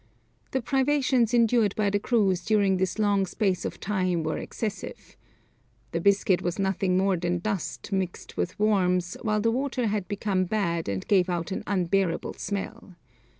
The privations endured by the crews during this long space of time were excessive. The biscuit was nothing more than dust mixed with worms, while the water had become bad and gave out an unbearable smell.